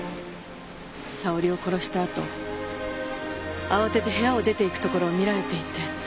沙織を殺した後慌てて部屋を出ていくところを見られていて。